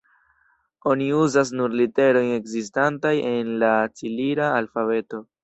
Oni uzas nur literojn ekzistantajn en la cirila alfabeto.